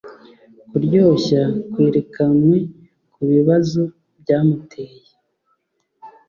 Kuryoshya kwerekanwe kubibazo byamuteye